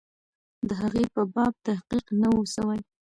د هغې په باب تحقیق نه وو سوی.